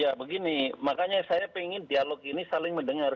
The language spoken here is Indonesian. ya begini makanya saya ingin dialog ini saling mendengar